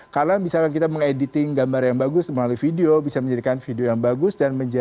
karena misalnya kita mengediting gambar yang bagus melalui video bisa menjadikan video yang bagus